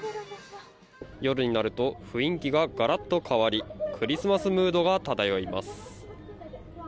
夜になると雰囲気がガラッと変わりクリスマスムードが漂います。